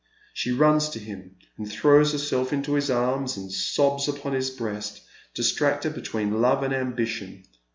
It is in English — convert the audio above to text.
She runs to him and throws herself into his arms, and sobs upon his breast, distracted between love and ambition.